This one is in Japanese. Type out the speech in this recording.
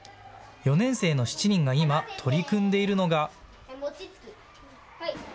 ４年生の７人が今、取り組んでいるのが。